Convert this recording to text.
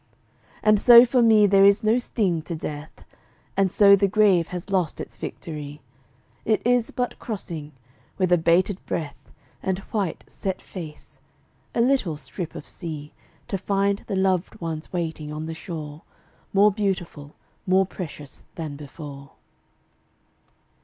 And so for me there is no sting to death, And so the grave has lost its victory. It is but crossing with a bated breath And white, set face a little strip of sea To find the loved ones waiting on the shore, More beautiful, more precious than before.